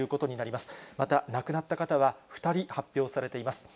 また亡くなった方は２人発表されています。